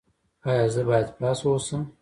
ایا زه باید پاس اوسم؟